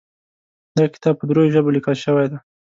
دا کتاب په دریو ژبو لیکل شوی ده